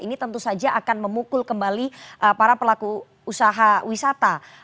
ini tentu saja akan memukul kembali para pelaku usaha wisata